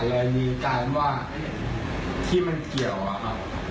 เลยมีการว่าที่มันเกี่ยวอะครับ